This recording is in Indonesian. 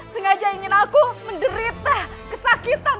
sengaja ingin aku menderita kesakitan